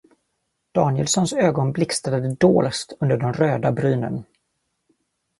Danielssons ögon blixtrade dolskt under de röda brynen.